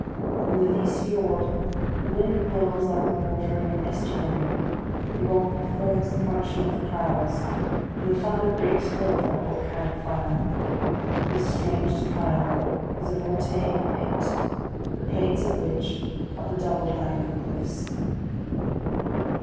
In the Lyse Fiord, the wind whirls like the water in an estuary; the rock performs the function of the clouds; and the thunder breaks forth like volcanic fire. This strange defile is a voltaic pile; the plates of which are the double line of cliffs.